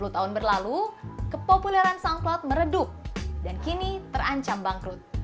sepuluh tahun berlalu kepopuleran soundcloud meredup dan kini terancam bangkrut